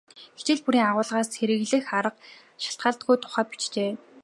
Хичээл бүрийн агуулгаас хэрэглэх арга шалтгаалдаг тухай бичжээ.